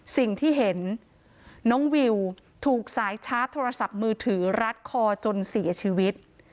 สิ่งที่เห็นน้องวิวถูกสายชาร์จโทรศัพท์มือถือรัดคอจนเสียชีวิต